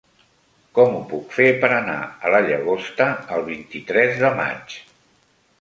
Com ho puc fer per anar a la Llagosta el vint-i-tres de maig?